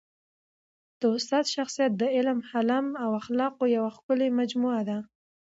د استاد شخصیت د علم، حلم او اخلاقو یوه ښکلي مجموعه ده.